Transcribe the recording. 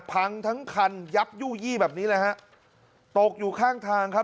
พังทั้งคันยับยู่ยี่แบบนี้เลยฮะตกอยู่ข้างทางครับ